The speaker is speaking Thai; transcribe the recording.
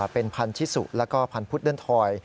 เป็นพันธุ์ชิสุแล้วก็พันธุ์พุทธเดินทอย